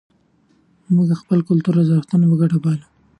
موږ د خپل کلتور ارزښتونه په ګډه پالو.